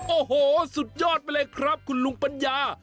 โอ้โหสุดยอดไปเลยครับคุณลุงปัญญา